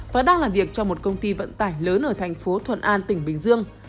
và đang làm việc cho một công ty vận tải lớn ở thành phố thuận an tỉnh bình dương